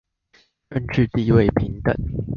政冶地位平等